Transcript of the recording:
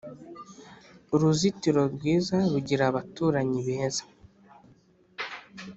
uruzitiro rwiza rugira abaturanyi beza!